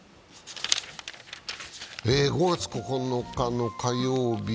５月９日の火曜日。